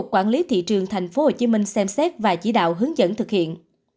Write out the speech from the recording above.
quản lý thị trường tp hcm xem xét và chỉ đạo hướng dẫn thực hiện